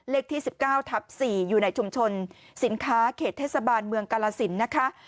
เลขที่๑๙ทับ๔อยู่ในชุมชนสินค้าเขตเทศบาลเมืองกาลสินนะคะ